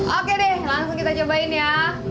oke deh langsung kita cobain ya